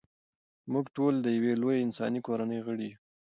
موږ ټول د یوې لویې انساني کورنۍ غړي یو.